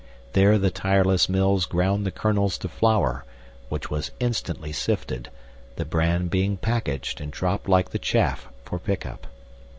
There the tireless mills ground the kernels to flour, which was instantly sifted, the bran being packaged and dropped like the chaff for pickup.